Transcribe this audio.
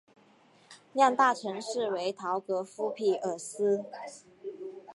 最大城市为陶格夫匹尔斯。